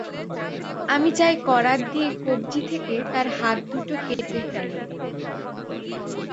আমি চাই করাত দিয়ে কব্জি থেকে তাঁর হাত দুটো কেটে ফেলো।